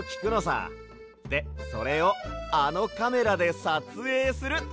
でそれをあのカメラでさつえいする！